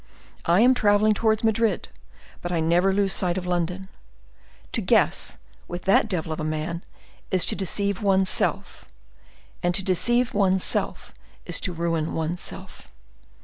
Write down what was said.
I am traveling towards Madrid, but I never lose sight of London. To guess, with that devil of a man, is to deceive one's self and to deceive one's self is to ruin one's self.